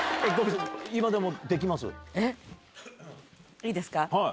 いいですか？